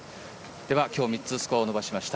では、今日３つスコアを伸ばしました。